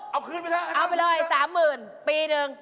เอาไม่ได้เช่นเอาไปเลย๓หมื่นปีนึง